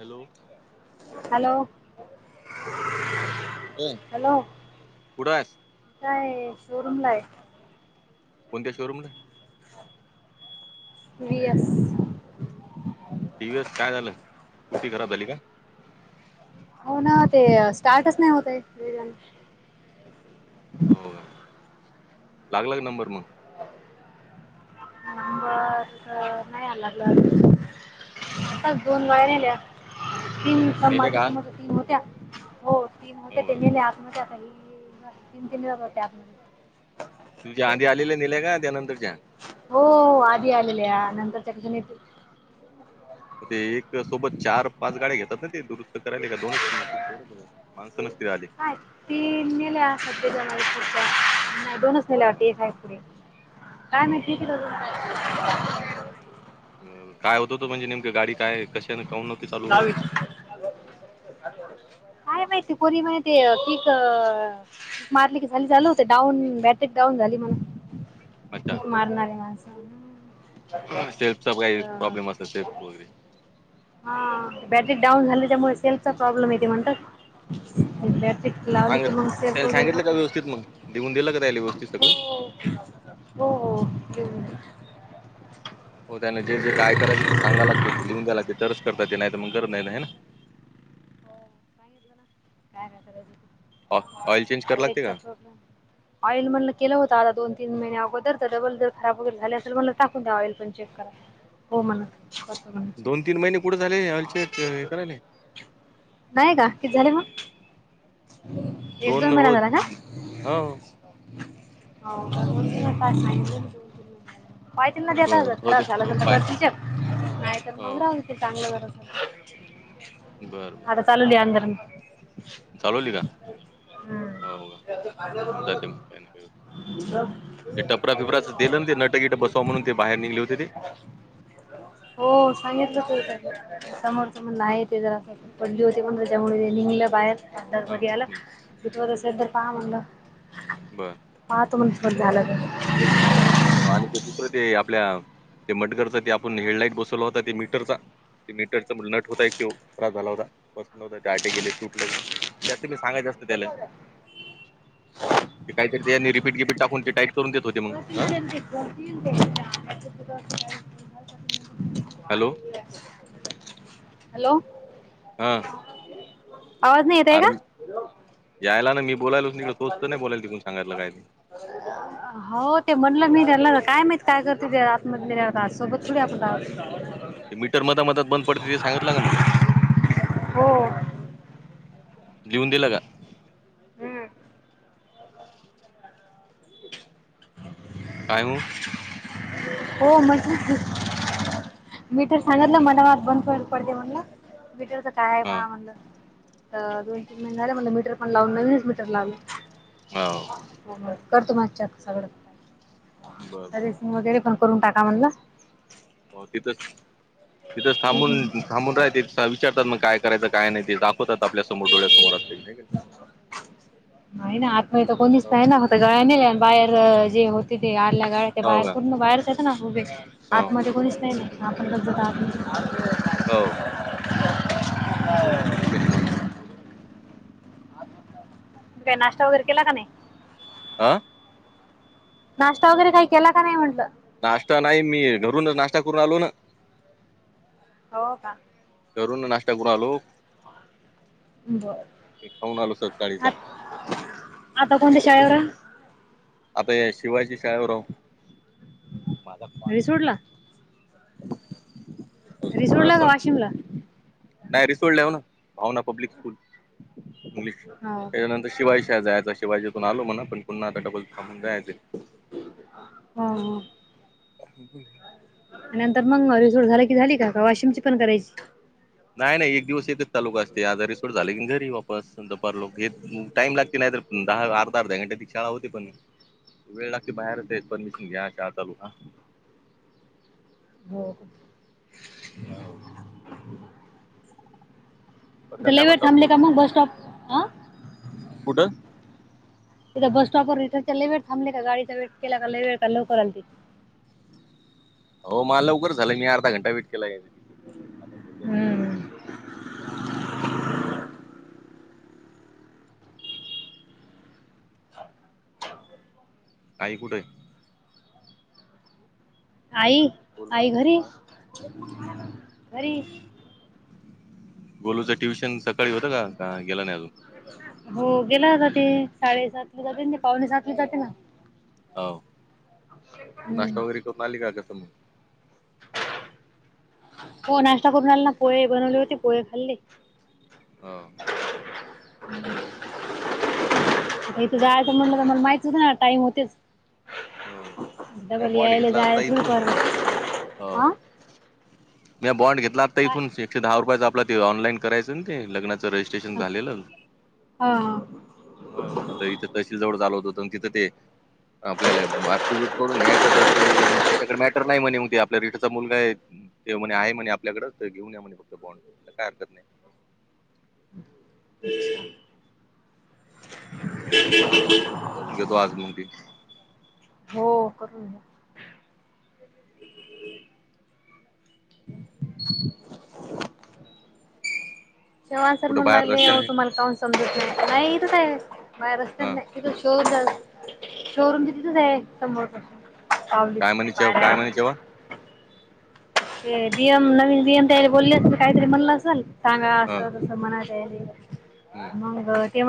Hello hello होय. Hello कुठं आहेस काय शोरूमला हाय, कोणत्या शोरूमला, T V S T V S काय झालं स्कुटी खराब झाली काय? हो ना ते स्टार्टच नाही होतय. वेगान हो का लागला का नंबर मग [inaudible] दोन वायर्या हो नेल्या तीन प नेले माझ्या का समोर तीन होत्या हो [unintelligible] हो का तुझ्या आधी आलेल्या नेल्या का त्यानंतरच्या हो, आधी आलेल्या नंतरच्या कश्या नेतील. हो ते एक सोबत चार पाच गाड्या घेतात ना ते दुरस् दुरुस्त कारले का दोनच माणस नसतील आले. [inaudible] हो का हो का [unintelligible] काय होत होत म्हणजे नेमक गाडी काय कशांन काऊन न्हती चालु होत. काय माहिती? पोरी म्हणती कीक कीक मारली की झाली चालु होते डाऊन बॅटर डाऊन झाली म्हणून कीक अच्छा मारणारी माणस सेल्फचा काही तर प्रॉब्लेम असेल सेल्फ वगैरे, हा बॅटरी डाऊन झाली त्यामुळे सेल्फचा प्रॉब्लेम येते म्हणतात. हं. [inaudible] ते सांगत त्याला सांगितलं का व्यवस्थित मग लिहून दिलं का त्याला व्यवस्थित सगळं हो हो ते हो त्याने जे जे काय करायचं ते सांगय लागते ते लिहून द्या लाग तरच करतात ते नाही तर मग गर नाही ना ना, हो [inaudible] ऑ- ऑइल चेंज कराय लागते का ऑइल म्हणलं केलं होत आता दोन तीन महिने अगोर तर डबल जर खराब वगैरे झाल असेल णला टाकून द ऑल पण चेक, [inaudible] हो मला कस म्हणा दोन तीन महिने कुठे झाले हलचेत हे करायला [inaudible] नाही का किती झाले मग, ह [inaudible] दोन हो हा हो [inaudible] पाहितीना ते बर देता हो दे खराब झाल हो असेल पाय तर तिच्यात नाही तर हो मग राहुदे [inaudible] ते चांगलं बरच. बर बर. चलली अंदर. चालवली का हो का जाते मग काही ना काय हो. ते टपरा फिपराच दिलं ना ते नटगिट बसवा म्हणून ते बाहेर निघले होते ते? [unintelligible] हो सांगितलं त समोर समोर नाही ते जरा अस. पडली होती पण त्याच्यामुळे नेह [inaudible] बाहेर दरप हा, आला हं, तटवत असेल तर पहा म्हणलं [inaudible] बरं. मत म्हणण झालं [inaudible] हो आणि ते दुसरं ते आपल्या ते मटगरच ते आपण हेड लाइट बसवला होता ते मीटरचा ते मीटरचा नट होता एक ते त्रास झाला होता पस नवता ते आटे गेले तुटलं [inaudible] जास्त मी सांगा जास्त त्याला ते काहीरी त्यांनी रिपीट गिपट टाकून ते टईट करून देत होते मग आं. हॅलो. हॅलो. हम. आवाज नाही येत आहे अर का? यायला ना मी बोलायला तिकडे तोचत नाही बोलायला तिकून सांगायलं काय ते [inaudible] [inaudible] [inaudible] हो ते म्हणलं मी त्यांला काय माहित काय करते ते आत मध सोबत थडी आपण [inaudible] ते मीटर मध मधात बंद पडते ते सांगितलं का मग हो लिहून दिलं का? हम्. कायमु हो मज. [inaudible] मीटर सांगतला मन म बंद पतेवण ना मीटर [inaudible] काय हा पहा म्हणलं तर दोन तीन महिने झाले म्हणलं मीटर पण लावून नवीनच मीटर लाव हो. हो करतो माग सगळं बर बर ससिंग वगैरे पण करून टाका म्हणला हो तिथंच तिथंच थांबून थांबून राहते विचारतात मग काय करायचं काय नाही ते दाखव स्वत आपल्या समोर डोळ्यासमोर असते नाही का हो [unintelligible] गाळ्याने बाहेर जे होते ते आडल्या गाळ्या ते हो बाहेर का पूर्ण बाहेरच येत ना खुबे हो आतमध्ये कोणीच नाही नाही आपण ज आत [unintelligible] हो. एक बन म्हण [inaudible] काय नाष्ट वगैरे केला का नाही. आं. नाश्ता वगैरे काही केला का नाही म्हटलं? नाश्ता नाही मी घरूनच नाश्ता करून आलो ना हो का? रून नाश्ता करून आ लोक [unintelligible] ब खाऊन आलो आ सकाळीचा आ तकते शायवरा [inaudible] आप शिवाजी शाळेवर राह माझ [unintelligible] नहीं सोडला. हा रिसोडला का सरळ, वाशिमला डायरेक्ट सोडला न भावना पब्लिक स्कूल. मलिक. हो का त्याच्यानंतर शिवाय शाळेत जायचा, शिवाजीतुन आलो म्हणा पण पुन्हा डबल थांबून जायचय. हा हां. ह ह नंतर मंग मोरेश्वर झालं की झाली का, का वाशिमची पण करायची. नाही नाही एक दिवस एकच तालुका असते, आजार रिसोट झाले की घरी येऊ वापस. परलोकात टाइम लागते नाही तर दहा अर्धा अर्धा घंटे ती शाळा होती पण वेळ लागते बाहेर ते परमिशन घ्याय शिवाय आत जाऊ नहीं देता. हो. आ परकन लय वेळ साहेबांना चालू थांबले करून का मग दिली बस स्टॉप ला. कुठं? तिथं बस स्टॉपवर येतात ते काय वेळ थांबले का गाडीचा वेट केला का लई बेकार लवकर आल्ती. हो माझं लवकर झालं, मी अर्धा घंटा वेट केला. हम्म! [inaudible] आई कुठे? आई, आई घरी, घरी. गोलूचं ट्युशन सकाळी होतं का? का गेला नाही अजून. हो गेला ना ते साडेसातला जातेन्, ते पावणे सातले जाते ना. हाव, तू नाश्ता हम्म. वगैरे करुन आली का मग. हो नाश्ता करून आली ना पोहे बनवले होते पोहे खाल्ले. हा. अं, इथं जायचं म्हणलं का ते मला माहितच ना टाइम होतेच. ह त्या डबल बोंड यायला घेतला जायला असता थोडी इथून परवडत ह हा म्या बॉंड घेतला आता काय इथून एकशे दहा रुपयाचा आपला, ते ऑनलाईन करायचं ते लग्नाचं रजिस्ट्रेशन. स्टेशन झालेलं, हा हो आता इथे तहसील जवळ आलो होतो तं तिथं ते आपल्याला ऍप्टीट्युट करून घ्यायचं तर ते, त्याच्याकडे मॅटर नाही म्हणे मग ते आपल्या रिटीचा मुलगा हे. ते म्हणे आहे म्हणे आपल्याकडं, तर घेऊन या म्हणे फक्त बॉन्ड तर काय हरकत नाही. [inaudible] [inaudible] करून घेतो आज मंग ते. हो करून घ्या. चव्हाण सर कुठं म्हणु बाहेर लागले, अहो रस्त्याने तुम्हाला काऊन समजत नाय का? नाय इथंच आहे बाहेर रस्त्यात ह नाय. [inaudible] शोरूम बि तिथंच आहे समोर. काय सावलीत म्हणे काय पााराव म्हणे जेव्हा ते डीयम नवीन डीयम ताई बोलले असतील काहीतरी म्हणलं असलं. सांगा ह असं तसं म्हणाले ते, ह मंग [unintelligible] गाडी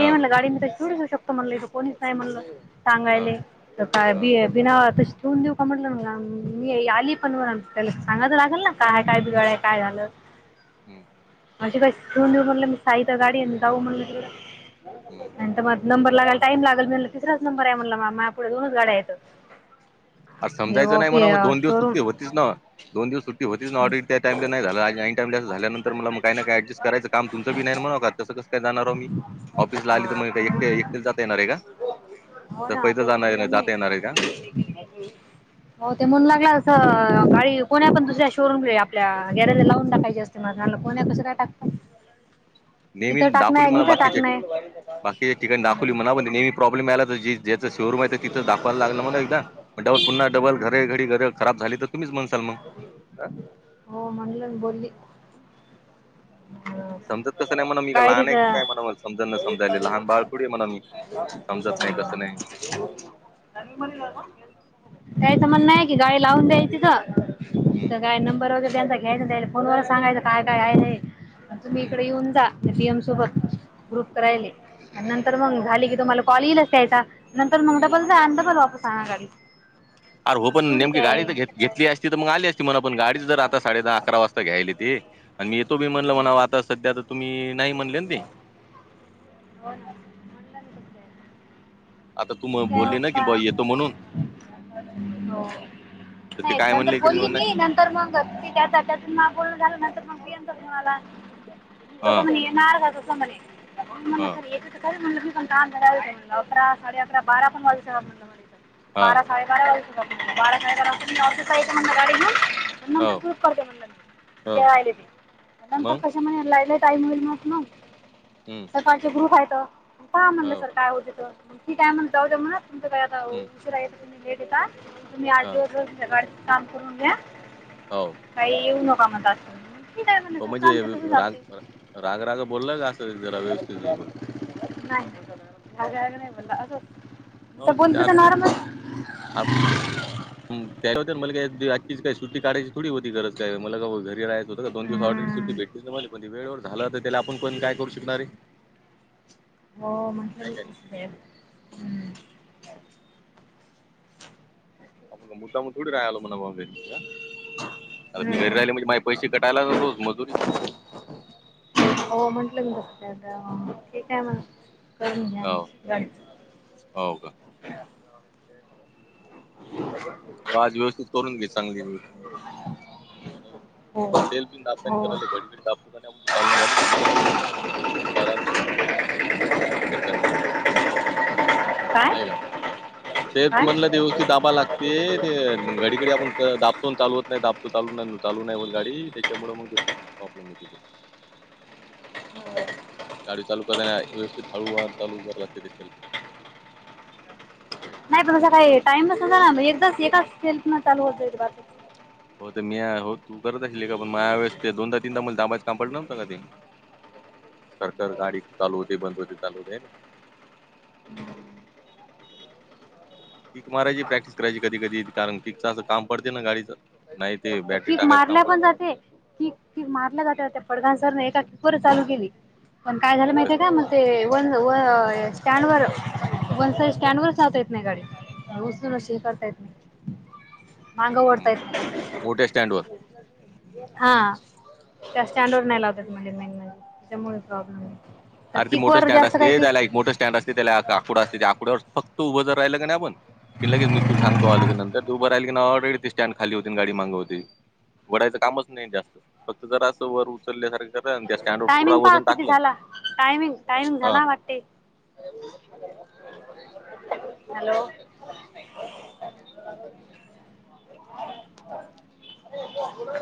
आहे ह म्हणलं गाडीने तर सोडू श-शकतो म्हणलं, इथे कोणीच नाही म्हणलं सांगायले. तर काय ह बि बिनावा तशी ठेवून देऊ का म्हटलं, [unintelligible] मी आलीय पण त्याला सांगाय तर लागेल न. काय काय बिघडाय काय झालं. ह माझी का ठीऊन देऊ म्हणलं मी सा हितं गाडी आणि जाऊ म्हणलंं ह तिकडं. [unintelligible] नंबर लागायला टाईम लागल म्हणल तिसराच नंबर आहे म्हणला मा मायापुुढं दोनच गाड्या हायेतं. असं समजायचं नाई म्हणावं म दोन दिवस सुट्टी होतीच ना दोन दिवस सुट्ट होतीच ना ऑडीट त्या टाईमले नाही झालं आणि ऐनटईम असं झाल्यांतर मला काय न काय ऍडजस्ट करायचं काम तुमचं बी नाय म्हणाव का तसं कसं कस काय जाणाराव मी ऑफिस ला आली त म एकटी एकटीच जाता येणाराय का? हो तर ना पैदल तेच म्हणलं जाणार मी जाता येणार आहे का? [unintelligible] हो ते म्हणून लागला तस गाडी कोणी पण दुसऱ्या शोरूम ले आपल्या गॅरेज लावून टाकायची अस ते झाल, कोण्या कसं काय टाकत. नेहमी तिथं दाखवली टाकणंय मला तिथं बाकीचे, टाकणंय बाकीच्या ठिकाणी दाखवली मणा पण नेहमी प्रॉब्लेम आला तर ज ज्याचा शोरूम आहे तिथच दाखवाय लागन ना मला एकदा पुन्हा डबल हम्म घरे घरी घर खराब झाली तर तुम्हीच म्हणसाल मग. हो म्हंटल ना बोलली. समजत कसं नाही म्हणा मी काय गाडी लहान आहे की काय तिथं म्हणाव समज न समजायले लहान बाळ थोडी आहे म्हणाव मी समजत नाही कसं नाही [inaudible] त्यायचं म्हणय की गाडी लावून द्यायची तीथं हम्म तीथं काय नंबर वगैरे त्यांचा घ्यायचा अन त्यायले फोनवरच सांगायचं काय काय आहे नाही. तुम्ही हम्म इकडे येऊन जा. डि एम सोबत ग्रुप करायले आणि नंतर मंग झाले की तुम्हाला कॉल येईलच त्यायचा. नंतर मग हम्म. डबल जा डबल वापस आणा गाडी. अर हो पण असं थोडी नेमकीे काय गाडी आहे. तर घेत हम्म. घेतली असती तर मग आली असती म्हण आपण गाडी जर आता साडे दहा अकरा वाजता घ्यायली येते. आणि मी येतो बी म्हणल म्हणा आता सध्या तर तुम्ही नाही म्हणले ना ते. [inaudible] आता तू म बोलले ना कि येतो म्हणून. हो, तर ते नाही काय नंतर म्हणले की बोलली म्हण नाही. मी नंत तर मग त्या त्यातून मग बोलन झालं नंतर मग पि एन चा फोन आला तस हा म्हणे [unintelligible] तस म्हणे मी म्हंटल हा सर येते तर खरं. पण अकरा, साडे अकरा, बारा पण वाजत्यातं म्हंटल मले इथं हा बारा साडे बारा वाजता, बारा साडे बारा ऑफिसला येतं म्हंटल गाडी घेऊन हो नंतर करतो हो जेवायला आलेले मग नंतर म्हणे जायला टाइम होईल मग. हम्म. सकाळचे ग्रुप आहेतं काय म्हणलं हो सर काय होते ती काय म्हण जाऊ द म्हणा तुमचं काय आता हम्म तुम्ही लेट येता, तुम्ही आज हा दिवसभर तुमचं गाडीच काम करून घ्या. हो. काही येऊ नका मग ठीक आहे. म्हण हो सर म्हणजे चालते तसं राग चालते. राग- राग बोलला का असं जरा व्यवस्थित? नाही राग- राग गं नाही बोलला असं. [inaudible] त्याच्यावर तर मला काय आजची काय सुट्टी काढायची थोडी होती गंरज काय मला काय घरी राहाचं होत का दोन दिवस ऑल रेडी सुट्टी भेट त्याने मले वेळेवर झालं तर त्याला आपण कोण काय करू शकणारे. हो म्हटल मी [unintelligible] हम्म. आपण का मुद्दाम थोडी राहिलो म्हणा म घरी आता मी घरी हम्म. राहिले म्हणजे माझे पैसे कटायला रोज मजुरी. हो म्हंटलं मगं ठीकय म्हणे करून घ्या हो गाडीचं. हो का [inaudible] हो आज व्यवस्थित करून घे चांगली व्यवस्थित मंग हो नाही सेल बी दाबताना हो जरा घडी घडी दाब चालना झाली की त्याच्यामुळे करायला व्यवस्थित आरामशीर टाकायला लागते स्टार्ट करतानि, नाही का काय सेफ काय म्हणलं ते व्यवस्थित दाबाय लागते ते घडीघडी आपण दाबतो अनं चालू होत नाही आणि दाबतो चालू नाही चालू नाही होत गाडी त्याच्यामुळे मग प्रॉब्लेम येतो तो गाडी चालू कराय व्यवस्थित हळूवार चालू कराला लागते ते नाही भरोसा काय टाइमच ना एकदाच एकाच सेल्फ न चालू होतय ते होत मी हाय हो तू करत अशील एका पण माया वेळेस ते दोनदा तीनदा मला दाबायच काम पडलं नव्हतं का ते कर कर गाडी चालू होते बंद होते चालू होते हायना कीक मारायची प्रॅक्टिस करायची कधी कधी कारण कीकचं असं काम पडते ना गाडीचं नाही ते बॅटरी किक टाकायच काम मारल्या पडतं पण जाते किक किक मारलं का त्यात ते पडगां सरने एका किक वर चालू केली, पण काय झालं पडतं माहितीय का मग ते वन व अ स्टँडवर वन साईड स्टँड वर चालता येत नाही गाडी उसून अशी करता येत नाही, मांग ओडता मग येत ना मोठ्या स्टँडवर हा, त्या स्टँडवर नाही लावता येत म्हणजेे [unintelligible] त्याच्यामुळे प्रॉब्लेम येतो अर ते मोठ स्टँड असते त्याला एक मोठ स्टँड असते त्याला आ आकुड असते त्या आकुडावर फक्त उभं जर राहिलं का नाही आपण की लगेच मी तूला सांगतो आली की नंतर तू उभ राहिली की ना ऑल रेडी ते स्टँड खाली होती गाडी मांग होती वडायचं कामच नाही जास्त, फक्त जरा असं वर उचलल्यासारखं करा अन त्या स्टँड पूरा वजन टाकलं काय नाही टायमिंग हा झाला वाटते हा [unintelligible] हॅलो